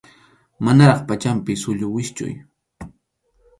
Manaraq pachanpi sullu wischʼuy.